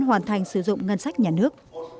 hoàn thành sử dụng ngân sách nhà nước